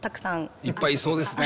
いっぱいいそうですね。